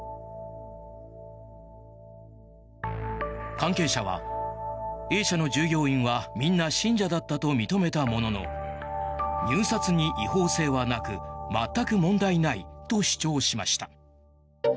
関係者は、Ａ社の従業員はみんな信者だったと認めたものの入札に違法性はなく全く問題ないと主張しました。